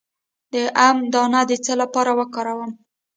د ام دانه د څه لپاره وکاروم؟